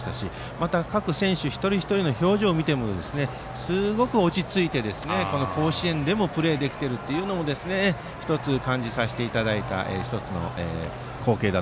また、各選手一人一人の表情を見てもすごく落ち着いて甲子園でもプレーできているのを感じさせていただきました。